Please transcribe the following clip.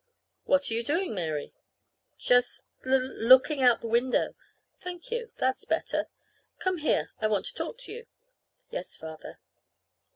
What are you doing, Mary?" "Just l looking out the window." "Thank you. That's better. Come here. I want to talk to you." "Yes, Father."